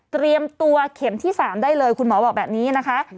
เตรียมตัวเข็มที่๓ได้เลยคุณหมอบอกแบบนี้นะคะ